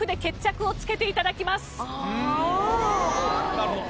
なるほど。